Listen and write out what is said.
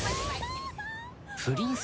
プリンス？